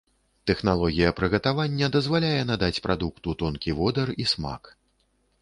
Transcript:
Тэхналогія прыгатавання дазваляе надаць прадукту тонкі водар і смак.